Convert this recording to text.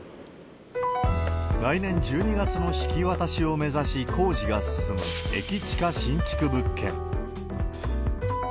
来年１２月の引き渡しを目指し、工事が進む駅チカ新築物件。